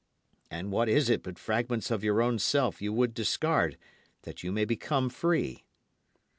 And what is it but fragments of your own self you would discard that you may become free?